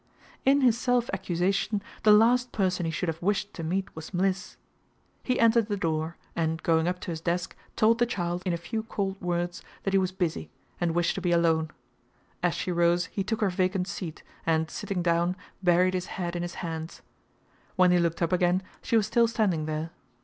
In his self accusation the last person he should have wished to meet was Mliss. He entered the door, and going up to his desk, told the child, in a few cold words, that he was busy, and wished to be alone. As she rose he took her vacant seat, and, sitting down, buried his head in his hands. When he looked up again she was still standing there.